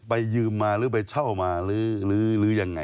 ยืมมาหรือไปเช่ามาหรือยังไง